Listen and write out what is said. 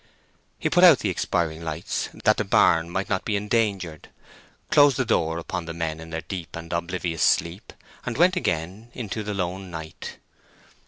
He put out the expiring lights, that the barn might not be endangered, closed the door upon the men in their deep and oblivious sleep, and went again into the lone night.